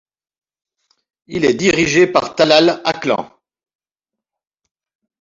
Il est dirigé par Talal Aklan.